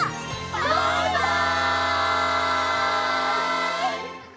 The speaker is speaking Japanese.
バイバイ！